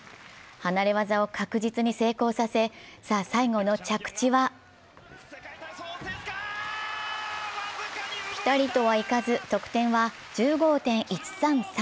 離れ技を確実に成功させ、さあ、最後の着地はピタリとはいかず、得点は１５．１３３。